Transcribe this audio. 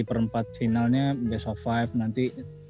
perempat finalnya best of lima nanti